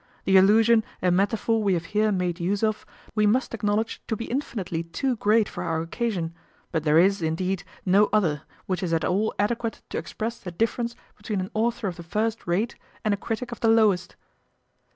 The allusion and metaphor we have here made use of, we must acknowledge to be infinitely too great for our occasion; but there is, indeed, no other, which is at all adequate to express the difference between an author of the first rate and a critic of the lowest.